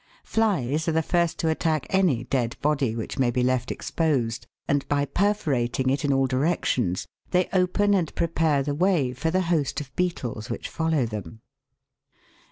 Flies are the first to attack any dead body which may be left exposed, and, by perforating it in all directions, they open and prepare the way for the host of beetles which follow them.